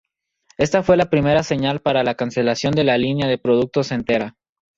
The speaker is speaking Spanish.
Esta fue la primera señal para la cancelación de la línea de productos entera.